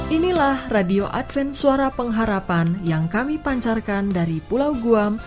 inilah radio advin suara pengharapan yang kami pancarkan dari pulau guam